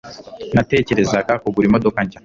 Natekerezaga kugura imodoka nshya.